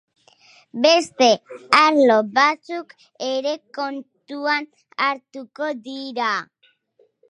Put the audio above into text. Beste arlo batzuk ere kontuan hartuko dira.